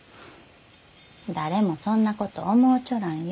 誰もそんなこと思うちょらんよ。